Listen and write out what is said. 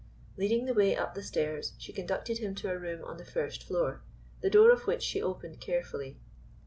Leading the way up the stairs she conducted him to a room on the first floor, the door of which she opened carefully.